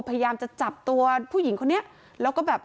ไม่อยากกลัวงูไม่อยากบีบ